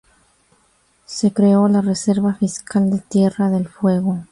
Se creó la reserva fiscal de Tierra del Fuego.